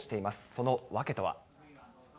その訳とは。